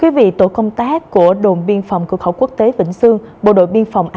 hiện nay thành phố hà nội đã dần nới lỏng